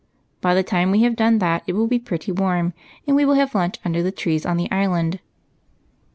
By the time we have done that it will be pretty warm, and we will have lunch under the trees on the Island."